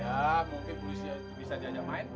ya mungkin polis bisa diajak main